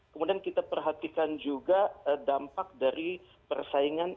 kemudian kita perhatikan juga dampak dari persaingan china dan china